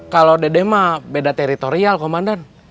kalau dede mah beda teritorial komandan